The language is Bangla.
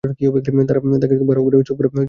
তাঁকে ভাঁড়ারঘরেও চুপ করে বসে আছেন।